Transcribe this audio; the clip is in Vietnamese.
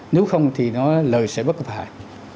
nếu không thì lời sẽ bất cập hại